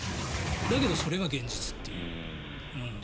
だけど、それが現実という。